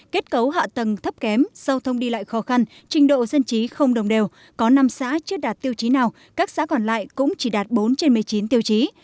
kết cấu hạ tầng thấp kém giao thông đi lại khó khăn trình độ dân trí không đồng đều có năm xã chưa đạt tiêu chí nào các xã còn lại cũng chỉ đạt bốn trên một mươi chín tiêu chí